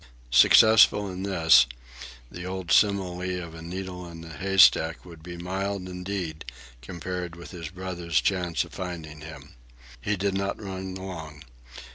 Successful in this, the old simile of the needle in the haystack would be mild indeed compared with his brother's chance of finding him. He did not run long.